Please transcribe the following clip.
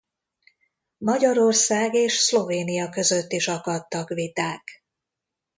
Magyarország és Szlovénia között is akadtak viták.